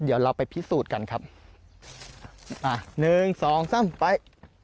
เดี๋ยวเราไปพิสูจน์กันครับอ่ะหนึ่งสองสามไป